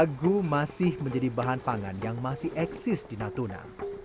sagu masih menjadi bahan pangan yang masih eksis di natuna